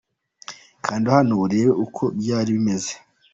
Kanda hano urebe uko byari bimeze .